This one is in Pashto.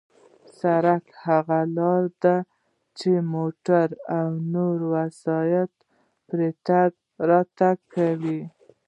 سړک هغه لار ده چې موټر او نور وسایط پرې تگ راتگ کوي.